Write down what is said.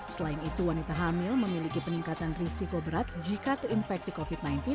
selain itu wanita hamil memiliki peningkatan risiko berat jika terinfeksi covid sembilan belas